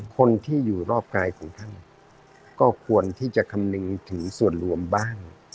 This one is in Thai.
คนที่อยู่รอบกายของท่านก็ควรที่จะคำนึงถึงส่วนรวมบ้าง